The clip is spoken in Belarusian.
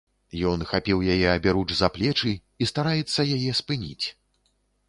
Ён хапіў яе аберуч за плечы і стараецца яе спыніць.